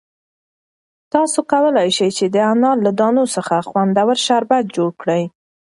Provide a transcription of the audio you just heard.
تاسو کولای شئ چې د انار له دانو څخه خوندور شربت جوړ کړئ.